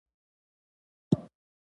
«منځلاري طالبان» زیات جنجال لري.